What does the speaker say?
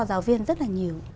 giáo viên rất là nhiều